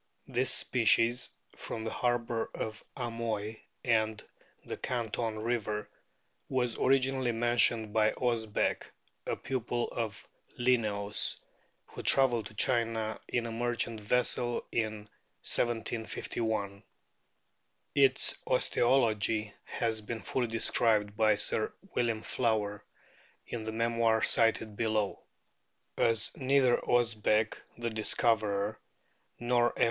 This species, from the harbour of Amoy and the Canton river, was originally mentioned by Osbeck, a pupil of Linnaeus, who travelled to China in a merchant vessel in 1751. Its osteology has been fully described by Sir William Flower in the memoir cited below.* As neither Osbeck, the discoverer, nor F.